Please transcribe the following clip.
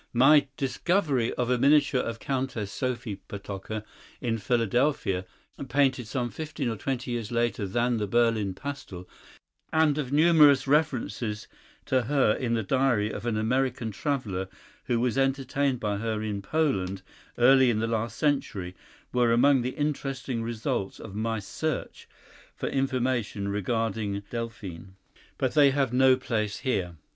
My discovery of a miniature of Countess Sophie Potocka in Philadelphia, painted some fifteen or twenty years later than the Berlin pastel, and of numerous references to her in the diary of an American traveller who was entertained by her in Poland early in the last century, were among the interesting results of my search for information regarding Delphine, but they have no place here.